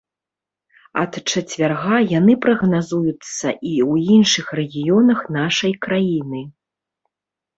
Ад чацвярга яны прагназуюцца і ў іншых рэгіёнах нашай краіны.